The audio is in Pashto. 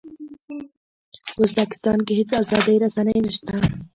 په ازبکستان کې هېڅ ازادې رسنۍ نه شته.